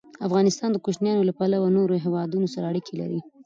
افغانستان د کوچیانو له پلوه له نورو هېوادونو سره اړیکې لري.